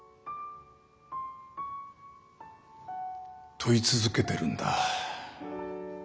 問い続けてるんだ。